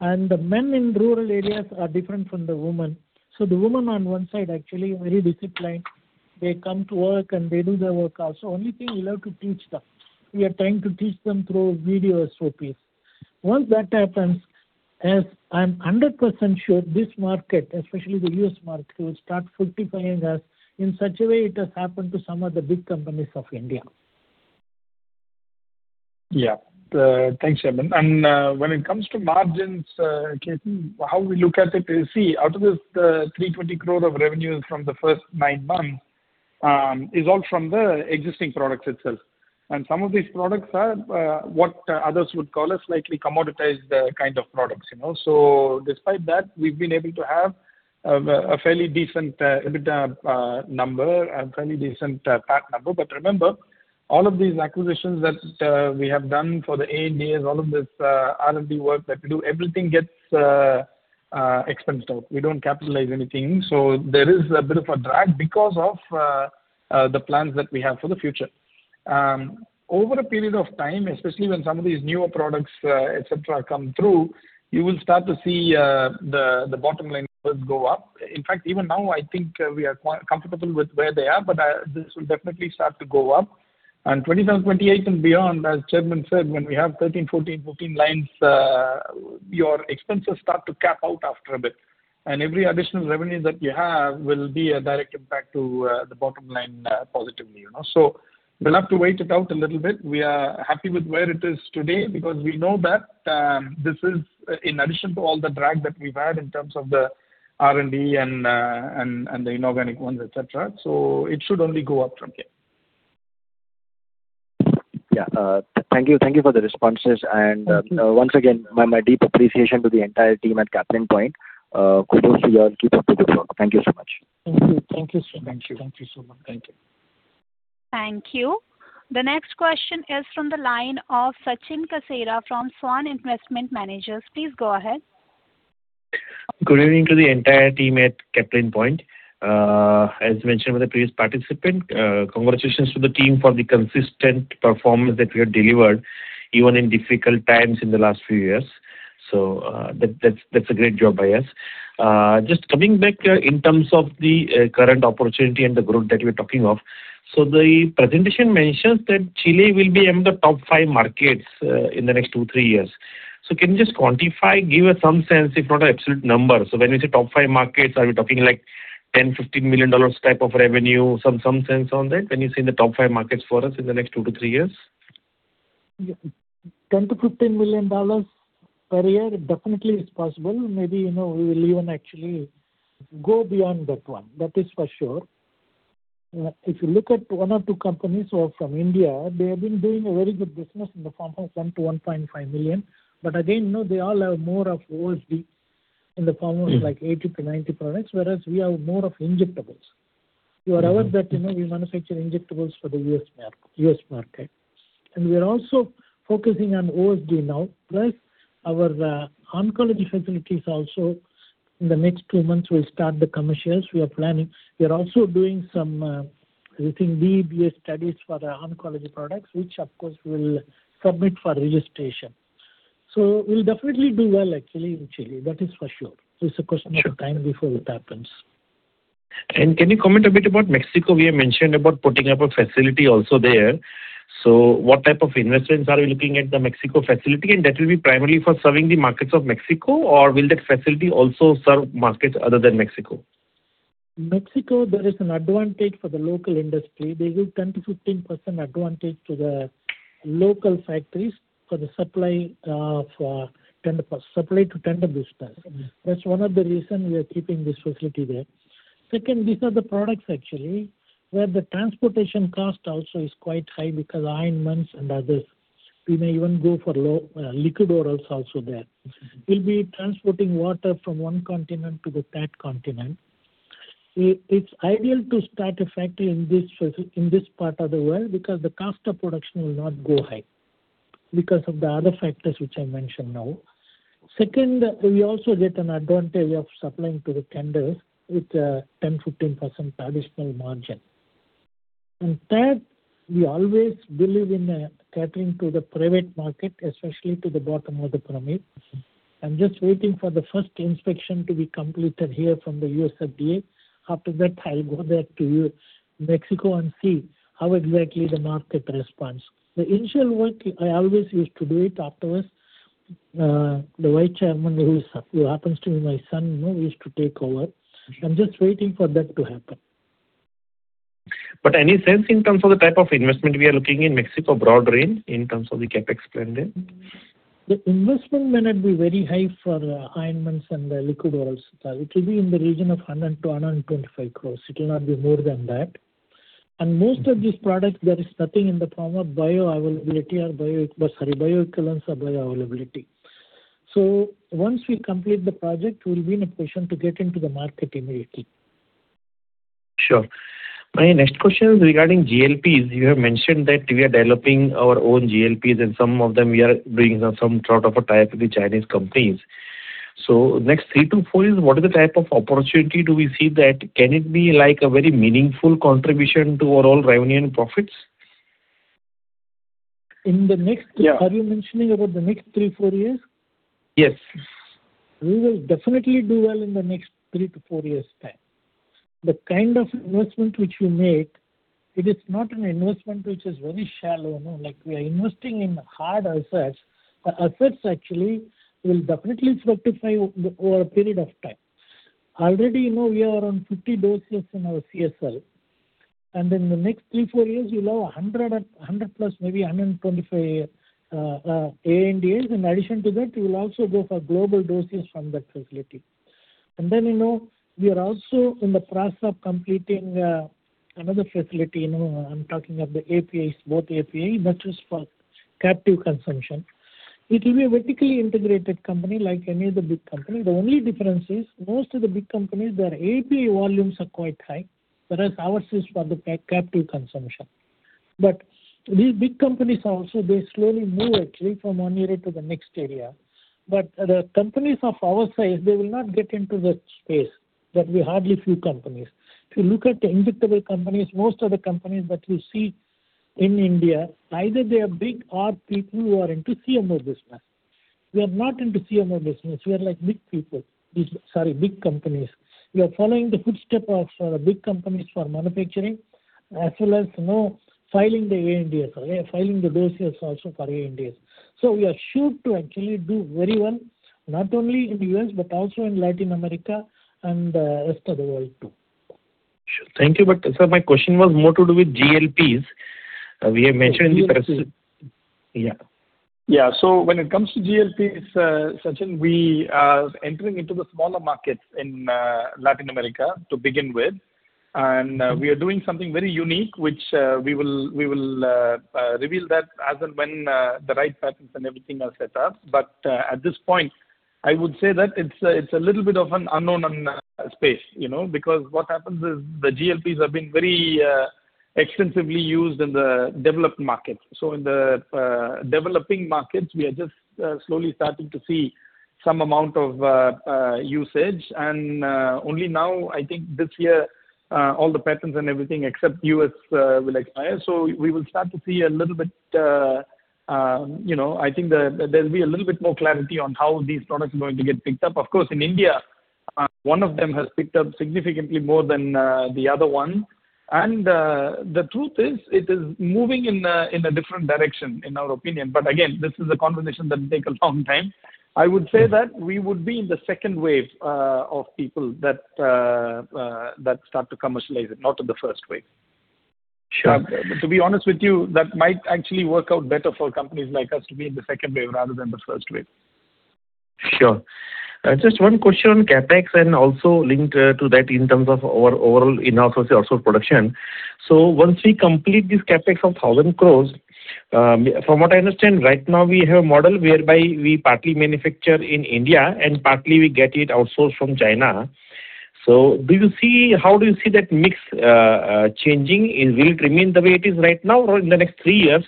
And the men in rural areas are different from the women. So the women, on one side, actually very disciplined. They come to work, and they do their work also. Only thing, we have to teach them. We are trying to teach them through video SOPs. Once that happens, as I'm 100% sure, this market, especially the US market, will start fructifying us in such a way it has happened to some of the big companies of India. Yeah. Thanks, Chairman. And when it comes to margins, Kethan, how we look at it is, see, out of this 320 crore of revenues from the first nine months is all from the existing products itself. And some of these products are what others would call a slightly commoditized kind of products. So despite that, we've been able to have a fairly decent EBITDA number, a fairly decent PAT number. But remember, all of these acquisitions that we have done for the ANDAs, all of this R&D work that we do, everything gets expensed out. We don't capitalize anything. So there is a bit of a drag because of the plans that we have for the future. Over a period of time, especially when some of these newer products, etc., come through, you will start to see the bottom line go up. In fact, even now, I think we are comfortable with where they are, but this will definitely start to go up. 2028 and beyond, as Chairman said, when we have 13, 14, 15 lines, your expenses start to cap out after a bit. Every additional revenue that you have will be a direct impact to the bottom line positively. We'll have to wait it out a little bit. We are happy with where it is today because we know that this is in addition to all the drag that we've had in terms of the R&D and the inorganic ones, etc. It should only go up from here. Yeah. Thank you. Thank you for the responses. Once again, my deep appreciation to the entire team at Caplin Point. Kudos to you all. Keep up with the flow. Thank you so much. Thank you. Thank you, sir. Thank you. Thank you so much. Thank you. Thank you. The next question is from the line of Sachin Kasera from Svan Investment Managers. Please go ahead. Good evening to the entire team at Caplin Point. As mentioned by the previous participant, congratulations to the team for the consistent performance that we have delivered even in difficult times in the last few years. So that's a great job by us. Just coming back in terms of the current opportunity and the growth that we are talking of, so the presentation mentions that Chile will be among the top 5 markets in the next 2-3 years. So can you just quantify, give us some sense, if not an absolute number? So when we say top 5 markets, are we talking like $10 million-$15 million type of revenue, some sense on that when you say in the top 5 markets for us in the next 2-3 years? Yeah. $10 million-$15 million per year, definitely it's possible. Maybe we will even actually go beyond that one. That is for sure. If you look at one or two companies from India, they have been doing a very good business in the form of $1 million-$1.5 million. But again, they all have more of OSD in the form of like 80-90 products, whereas we have more of injectables. Whatever that we manufacture injectables for the US market. And we are also focusing on OSD now, plus our oncology facilities also. In the next two months, we'll start the commercials. We are planning. We are also doing some, I think, BE/BA studies for the oncology products, which, of course, we'll submit for registration. So we'll definitely do well actually in Chile. That is for sure. It's a question of time before it happens. Can you comment a bit about Mexico? We have mentioned about putting up a facility also there. What type of investments are we looking at the Mexico facility? That will be primarily for serving the markets of Mexico, or will that facility also serve markets other than Mexico? Mexico, there is an advantage for the local industry. They give 10%-15% advantage to the local factories for the supply to tender business. That's one of the reasons we are keeping this facility there. Second, these are the products actually where the transportation cost also is quite high because high volumes and others. We may even go for liquid orals also there. We'll be transporting water from one continent to the LATAM continent. It's ideal to start a factory in this part of the world because the cost of production will not go high because of the other factors which I mentioned now. Second, we also get an advantage of supplying to the tenders with 10%-15%. Traditional margin. And third, we always believe in catering to the private market, especially to the bottom of the pyramid. I'm just waiting for the first inspection to be completed here from the US FDA. After that, I'll go there to Mexico and see how exactly the market responds. The initial work, I always used to do it afterwards. The Vice Chairman, who happens to be my son, used to take over. I'm just waiting for that to happen. But any sense in terms of the type of investment we are looking in Mexico, broad range in terms of the CapEx plan there? The investment may not be very high for iron mines and the liquid orals. It will be in the region of 100 crore-125 crore. It will not be more than that. Most of these products, there is nothing in the form of bioavailability or bio sorry, bioequivalents or bioavailability. Once we complete the project, we'll be in a position to get into the market immediately. Sure. My next question is regarding GLPs. You have mentioned that we are developing our own GLPs, and some of them we are doing some sort of a tie up with the Chinese companies. So next 3-4 years, what is the type of opportunity do we see that can it be like a very meaningful contribution to our all revenue and profits? In the next, are you mentioning about the next 3-4 years? Yes. We will definitely do well in the next 3-4 years' time. The kind of investment which you make, it is not an investment which is very shallow. We are investing in hard assets. The assets actually will definitely fructify over a period of time. Already, we are on 50 dossiers in our CSL. And in the next 3-4 years, you'll have 100+, maybe 125 ANDAs. In addition to that, you will also go for global dossiers from that facility. And then we are also in the process of completing another facility. I'm talking of the APIs, both API, not just for captive consumption. It will be a vertically integrated company like any other big company. The only difference is most of the big companies, their API volumes are quite high, whereas ours is for the captive consumption. But these big companies also, they slowly move actually from one area to the next area. But the companies of our size, they will not get into the space, but we are hardly few companies. If you look at the injectable companies, most of the companies that you see in India, either they are big or people who are into CMO business. We are not into CMO business. We are like big people, sorry, big companies. We are following the footsteps of big companies for manufacturing as well as filing the ANDAs, filing the dossiers also for ANDAs. So we are sure to actually do very well, not only in the U.S., but also in Latin America and the rest of the world too. Sure. Thank you. But sir, my question was more to do with GLPs. We have mentioned in this yeah. Yeah. So when it comes to GLPs, Sachin, we are entering into the smaller markets in Latin America to begin with. And we are doing something very unique, which we will reveal that as and when the right patents and everything are set up. But at this point, I would say that it's a little bit of an unknown space because what happens is the GLPs have been very extensively used in the developed markets. So in the developing markets, we are just slowly starting to see some amount of usage. And only now, I think this year, all the patents and everything except US will expire. So we will start to see a little bit I think there'll be a little bit more clarity on how these products are going to get picked up. Of course, in India, one of them has picked up significantly more than the other one. The truth is, it is moving in a different direction, in our opinion. Again, this is a conversation that will take a long time. I would say that we would be in the second wave of people that start to commercialize it, not in the first wave. To be honest with you, that might actually work out better for companies like us to be in the second wave rather than the first wave. Sure. Just one question on CapEx and also linked to that in terms of our overall in-house outsource production. So once we complete this CapEx of 1,000 crores, from what I understand, right now, we have a model whereby we partly manufacture in India and partly we get it outsourced from China. So how do you see that mix changing? Will it remain the way it is right now or in the next three years?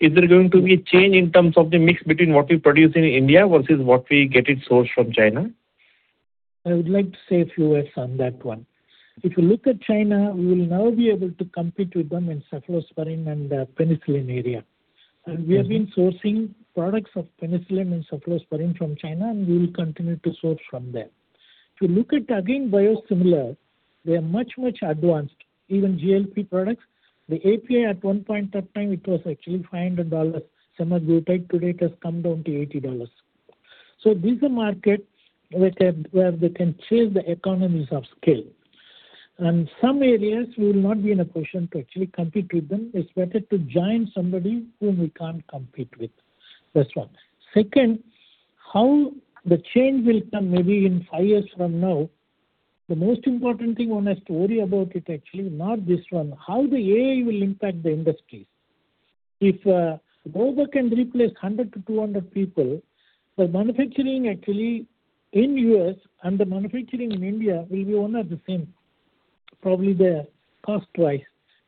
Is there going to be a change in terms of the mix between what we produce in India versus what we get it sourced from China? I would like to say a few words on that one. If you look at China, we will now be able to compete with them in cephalosporin and penicillin area. We have been sourcing products of penicillin and cephalosporin from China, and we will continue to source from there. If you look at, again, biosimilar, they are much, much advanced, even GLP products. The API, at one point of time, it was actually $500. semaglutide today has come down to $80. So this is a market where they can chase the economies of scale. And some areas, we will not be in a position to actually compete with them. It's better to join somebody whom we can't compete with. That's one. Second, how the change will come maybe in five years from now, the most important thing one has to worry about is actually not this one, how the AI will impact the industries. If robot can replace 100-200 people, the manufacturing actually in U.S. and the manufacturing in India will be almost the same, probably the cost-wise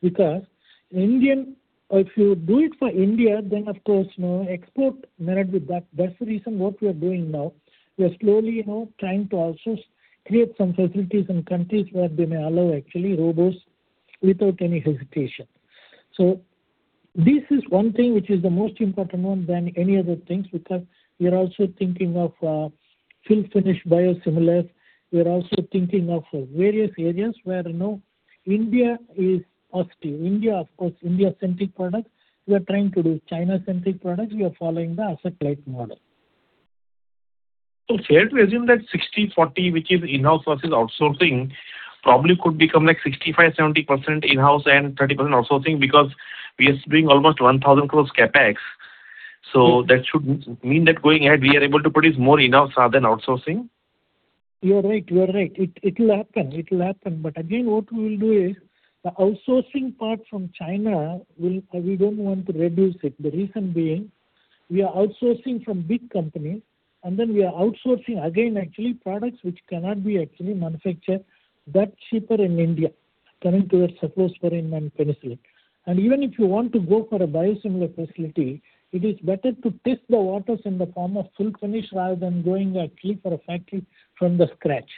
because if you do it for India, then, of course, export may not be that. That's the reason what we are doing now. We are slowly trying to also create some facilities in countries where they may allow actually robots without any hesitation. So this is one thing which is the most important one than any other things because we are also thinking of full-finished biosimilars. We are also thinking of various areas where India is positive. Of course, India-centric products, we are trying to do China-centric products. We are following the asset-light model. So fair to assume that 60/40, which is in-house versus outsourcing, probably could become like 65%-70% in-house and 30% outsourcing because we are doing almost 1,000 crore CapEx. So that should mean that going ahead, we are able to produce more in-house rather than outsourcing? You're right. You're right. It will happen. It will happen. But again, what we will do is the outsourcing part from China, we don't want to reduce it. The reason being, we are outsourcing from big companies, and then we are outsourcing again, actually, products which cannot be actually manufactured that cheaper in India. Coming towards Cephalosporin and penicillin. And even if you want to go for a biosimilar facility, it is better to test the waters in the form of full-finished rather than going actually for a factory from the scratch.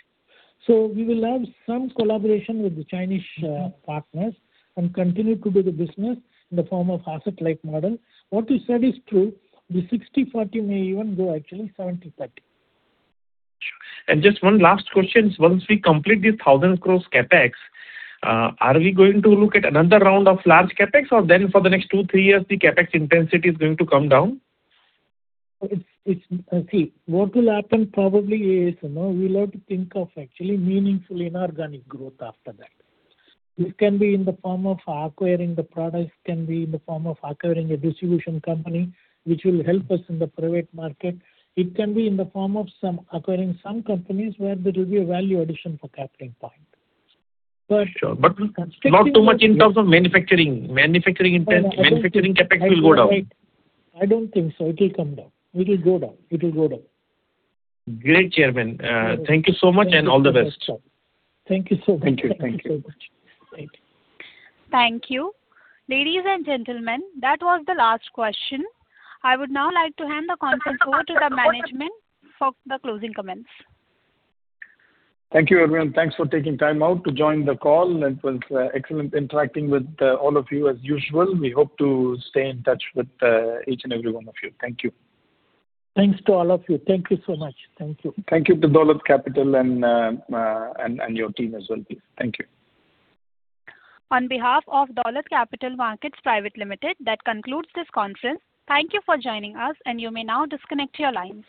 So we will have some collaboration with the Chinese partners and continue to do the business in the form of asset-light model. What you said is true. The 60/40 may even go actually 70/30. Sure. And just one last question. Once we complete this 1,000 crore CapEx, are we going to look at another round of large CapEx, or then for the next two, three years, the CapEx intensity is going to come down? See, what will happen probably is we'll have to think of actually meaningful inorganic growth after that. This can be in the form of acquiring the products. It can be in the form of acquiring a distribution company which will help us in the private market. It can be in the form of acquiring some companies where there will be a value addition for Caplin Point. But. Sure. But not too much in terms of manufacturing. Manufacturing CapEx will go down. I don't think so. It will come down. It will go down. It will go down. Great, Chairman. Thank you so much and all the best. Thank you so much. Thank you. Thank you so much. Thank you. Thank you. Ladies and gentlemen, that was the last question. I would now like to hand the conference over to the management for the closing comments. Thank you, everyone. Thanks for taking time out to join the call. It was excellent interacting with all of you as usual. We hope to stay in touch with each and every one of you. Thank you. Thanks to all of you. Thank you so much. Thank you. Thank you to Dolat Capital and your team as well, please. Thank you. On behalf of Dolat Capital Markets Private Limited, that concludes this conference. Thank you for joining us, and you may now disconnect your lines.